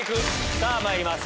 さぁまいります。